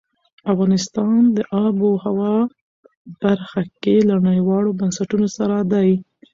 افغانستان د آب وهوا برخه کې له نړیوالو بنسټونو سره دی.